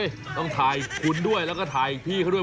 นี่ต้องถ่ายคุณด้วยแล้วก็ถ่ายพี่เขาด้วย